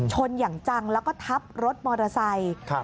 ชนอย่างจังแล้วก็ทับรถมอเตอร์ไซค์